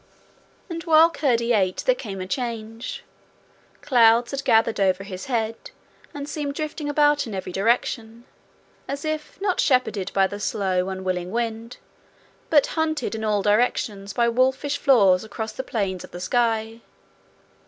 And while Curdie ate there came a change. Clouds had gathered over his head, and seemed drifting about in every direction, as if not 'shepherded by the slow, unwilling wind,' but hunted in all directions by wolfish flaws across the plains of the sky.